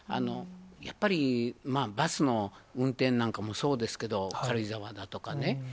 やっぱり、バスの運転なんかもそうですけど、軽井沢だとかね。